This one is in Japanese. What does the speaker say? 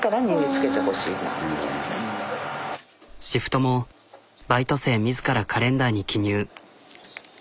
シフトもバイト生自らカレンダーに記入。